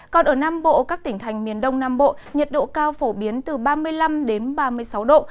còn ở nam bộ các tỉnh thành miền đông nam bộ nhiệt độ cao phổ biến từ ba mươi năm đến ba mươi sáu độ